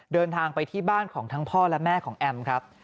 เดินทางไปที่บ้านของทั้งพ่อและแม่ของแอมครับ